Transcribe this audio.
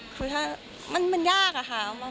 คือถ้ามันยากอะค่ะ